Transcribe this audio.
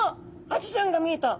アジちゃんが見えた！